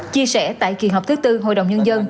chia sẻ tại kỳ họp thứ tư hội đồng nhân dân